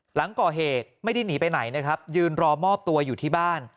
หลังก่อเหตุไม่ได้หนีไปไหนนะครับยืนรอมอบตัวอยู่ที่บ้าน